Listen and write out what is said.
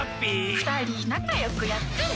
２人仲良くやってね。